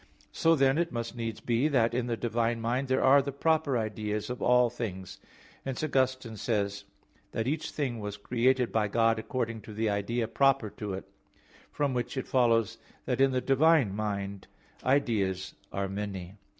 So, then, it must needs be that in the divine mind there are the proper ideas of all things. Hence Augustine says (Octog. Tri. Quaest. qu. xlvi), "that each thing was created by God according to the idea proper to it," from which it follows that in the divine mind ideas are many.